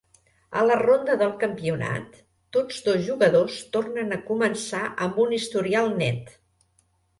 A la ronda del campionat, tots dos jugadors tornen a començar amb un historial net.